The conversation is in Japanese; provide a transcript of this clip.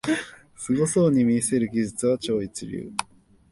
すごそうに見せる技術は超一流